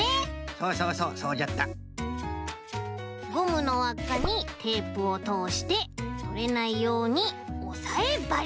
そうそうそうそうじゃったゴムのわっかにテープをとおしてとれないようにおさえばり！